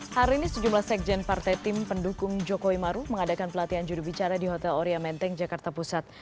hari ini sejumlah sekjen partai tim pendukung jokowi maru mengadakan pelatihan jurubicara di hotel oria menteng jakarta pusat